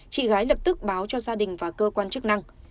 chị gái lập tức báo cho gia đình và cơ quan chức năng